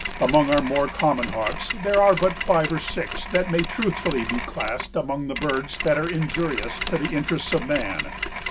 Among our more common hawks there are but five or six that may truthfully be classed among the birds that are injurious to the interests of man.